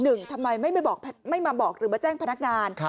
หนึ่งทำไมไม่มาบอกหรือมาแจ้งพนักงาน